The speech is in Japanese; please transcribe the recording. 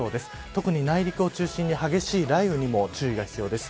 特に内陸を中心に激しい雷雨の注意が必要です。